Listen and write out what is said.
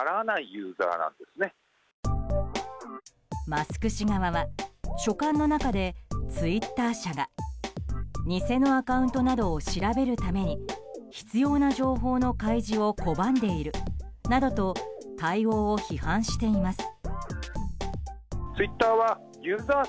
マスク氏側は書簡の中でツイッター社が偽のアカウントなどを調べるために必要な情報の開示を拒んでいるなどと対応を批判しています。